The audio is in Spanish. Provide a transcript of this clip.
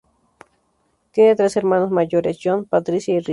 Tiene tres hermanos mayores, John, Patricia y Rita.